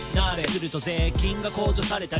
「すると税金が控除されたり」